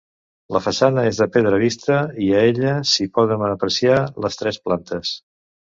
La façana és de pedra vista i a ella s'hi poden apreciar les tres plantes.